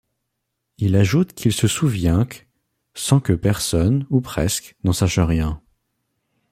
Il ajoute qu’il se souvient qu', sans que personne, ou presque, n'en sache rien.